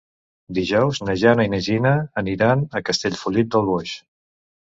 Dijous na Jana i na Gina aniran a Castellfollit del Boix.